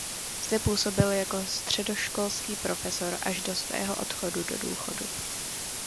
Zde působil jako středoškolský profesor až do svého odchodu do důchodu.